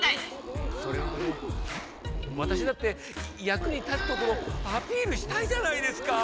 それはあのわたしだってやくに立つところアピールしたいじゃないですか！